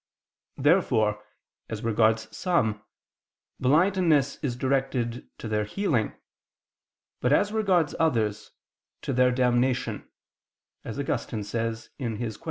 Therefore as regards some, blindness is directed to their healing; but as regards others, to their damnation; as Augustine says (De Quaest.